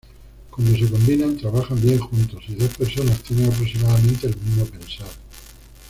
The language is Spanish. Cuando se combinan, trabajan bien juntos, si dos personas tienen aproximadamente el mismo pensar.